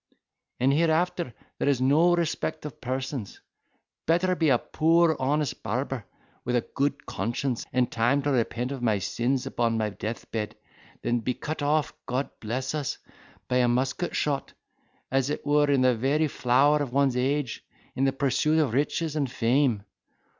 and, hereafter, there is no respect of persons. Better be a poor honest barber with a good conscience, and time to repent of my sins upon my death bed, than be cut off (God bless us!) by a musket shot, as it were in the very flower of one's age, in the pursuit of riches and fame.